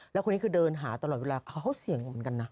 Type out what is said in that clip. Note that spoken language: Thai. แล้วคนนี้คือเดินหาตลอดเวลาเขาเสี่ยงเหมือนกันนะ